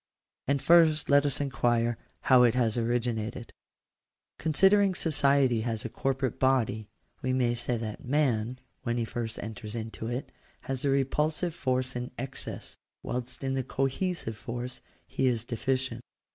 And first let us inquire how it has originated. Digitized by VjOOQIC POLITICAL RIGHTS. 197 §8. Considering society as a corporate body, we may say that man, when he first enters into it* has the repulsive force in excess, whilst in the cohesive force he is deficient.